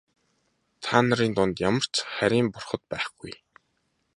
Та нарын дунд ямар ч харийн бурхад байхгүй.